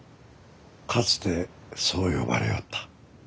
かつてそう呼ばれおった。